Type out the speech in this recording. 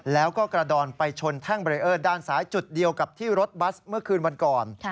แล้วก็กระดอนไปชนแท่งเบรเออร์ด้านซ้ายจุดเดียวกับที่รถบัสเมื่อคืนวันก่อน